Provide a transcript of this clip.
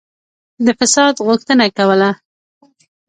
د فساد غوښتنه کوله.